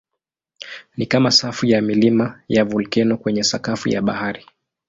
Ni kama safu ya milima ya volkeno kwenye sakafu ya bahari.